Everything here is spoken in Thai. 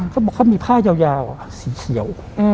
เขาบอกเขามีผ้ายาวสีเขียว